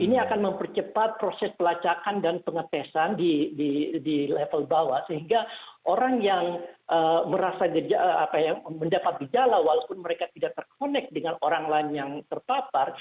ini akan mempercepat proses pelacakan dan pengetesan di level bawah sehingga orang yang merasa mendapat gejala walaupun mereka tidak terkonek dengan orang lain yang terpapar